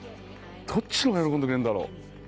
どっちのが喜んでくれるんだろう。